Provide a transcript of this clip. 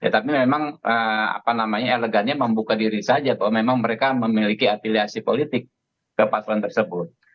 tapi memang apa namanya elegannya membuka diri saja bahwa memang mereka memiliki afiliasi politik ke paslon tersebut